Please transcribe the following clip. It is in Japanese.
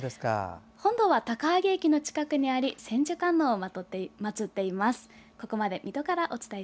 本堂は高萩駅の近くにあり千手観音をまつっています。